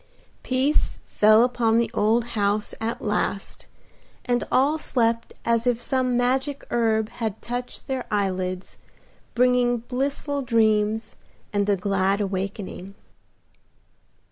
Peace fell upon the old house at last, and all slept as if some magic herb had touched their eyelids, bringing blissful dreams and a glad awakening.